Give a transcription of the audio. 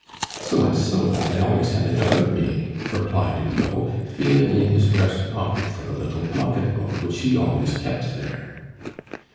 "So much so, that I always have it about me," replied Hulot, feeling in his breast pocket for the little pocketbook which he always kept there.